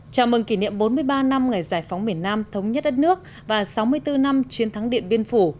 chào mừng kỷ niệm bốn mươi ba năm ngày giải phóng miền nam thống nhất đất nước và sáu mươi bốn năm chiến thắng điện biên phủ